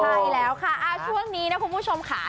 ใช่แล้วค่ะช่วงนี้นะคุณผู้ชมค่ะ